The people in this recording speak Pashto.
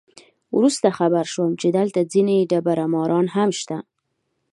وروسته خبر شوم چې دلته ځینې دبړه ماران هم شته.